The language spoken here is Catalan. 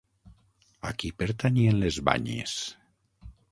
A qui pertanyien les banyes?